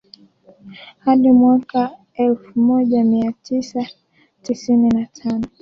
Hadi mwaka wa elfu moja mia tisa tisini na tano